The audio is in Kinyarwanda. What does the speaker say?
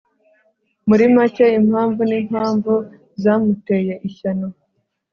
Muri make impamvu nimpamvu zamuteye ishyano